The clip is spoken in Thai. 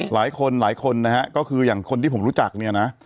หลายคนหลายคนนะฮะก็คืออย่างคนที่ผมรู้จักเนี่ยนะ